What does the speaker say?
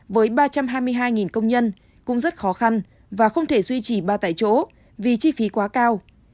với ba trăm hai mươi hai công nhân cũng rất khó khăn và không thể duy trì ba tại chỗ vì chi phí quá cao